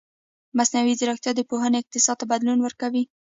مصنوعي ځیرکتیا د پوهې اقتصاد ته بدلون ورکوي.